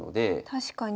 確かに。